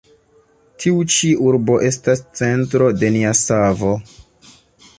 Tiu ĉi urbo estas centro de nia savo.